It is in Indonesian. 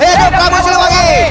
hidup ramu silwangi